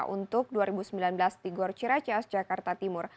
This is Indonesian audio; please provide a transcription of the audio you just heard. untuk dua ribu sembilan belas di gor ciracas jakarta timur